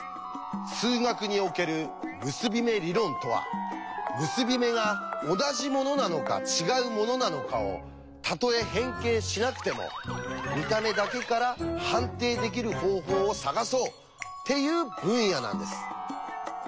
数学における結び目理論とは結び目が同じものなのか違うものなのかをたとえ変形しなくても見た目だけから判定できる方法を探そうっていう分野なんです。